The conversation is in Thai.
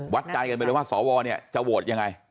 ใจกันไปเลยว่าสวเนี่ยจะโหวตยังไง